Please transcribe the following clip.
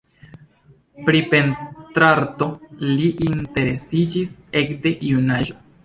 Pri pentrarto li interesiĝis ekde junaĝo.